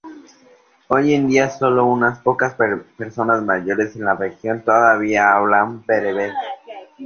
Hoy en día, solo unas pocas personas mayores en la región todavía hablan bereber.